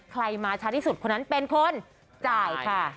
มาช้าที่สุดคนนั้นเป็นคนจ่ายค่ะ